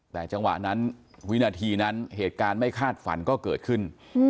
แต่จังหวะนั้นวินาทีนั้นเหตุการณ์ไม่คาดฝันก็เกิดขึ้น